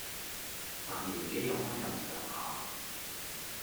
但年紀有返咁上下